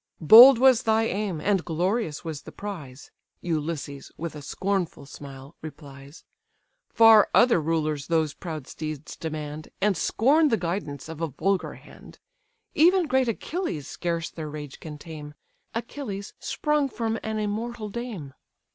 "Bold was thy aim, and glorious was the prize, (Ulysses, with a scornful smile, replies,) Far other rulers those proud steeds demand, And scorn the guidance of a vulgar hand; Even great Achilles scarce their rage can tame, Achilles sprung from an immortal dame.